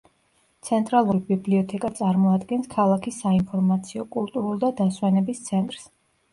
ცენტრალური ბიბლიოთეკა წარმოადგენს ქალაქის საინფორმაციო, კულტურულ და დასვენების ცენტრს.